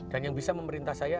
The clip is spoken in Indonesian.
dan yang bisa memerintah saya